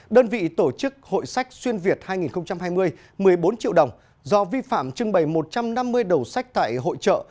đơn vị tổ chức hội sách xuyên việt hai nghìn hai mươi một mươi bốn triệu đồng do vi phạm trưng bày một trăm năm mươi đầu sách tại hội trợ